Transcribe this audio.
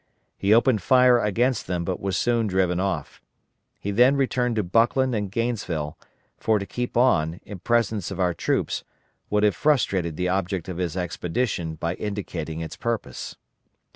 He opened fire against them but was soon driven off. He then returned to Buckland and Gainesville; for to keep on, in presence of our troops, would have frustrated the object of his expedition by indicating its purpose.